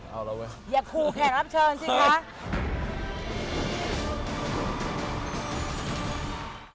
เอาแล้วเว้ยอย่าคู่แขกรับเชิญสิคะ